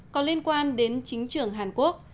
còn liên quan đến chính trưởng hàn quốc